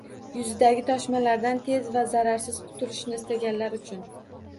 Yuzdagi toshmalardan tez va zararsiz qutilishni istaganlar uchun